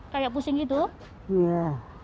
kayak pusing gitu iya